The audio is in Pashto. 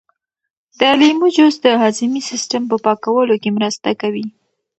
د لیمو جوس د هاضمې سیسټم په پاکولو کې مرسته کوي.